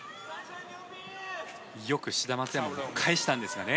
よく志田・松山も返したんですがね。